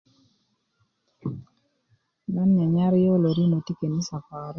nan nyanyar yolo rino ti kenisa parik